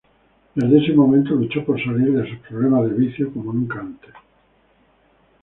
Desde ese momento luchó por salir de sus problemas de vicio como nunca antes.